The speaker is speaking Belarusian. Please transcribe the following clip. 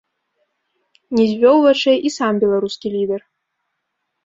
Не звёў вачэй і сам беларускі лідэр.